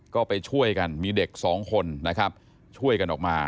ก็ไปช่วยกันมีเด็กสองคนนะครับช่วยกันออกมา